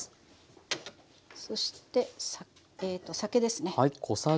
そして酒ですね。